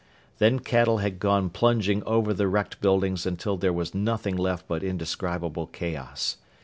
Then cattle had gone plunging over the wrecked buildings until there was nothing left but indescribable chaos.